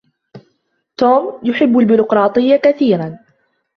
توم يحب البيروقراطية كثيرا.